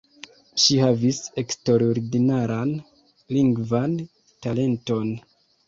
Ŝi havis eksterordinaran lingvan talenton.